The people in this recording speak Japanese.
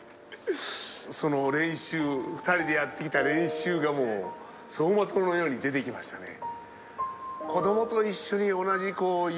練習２人でやって来た練習がもう走馬灯のように出て来ましたね。